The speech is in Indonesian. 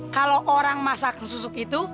kalo orang masakan susuk itu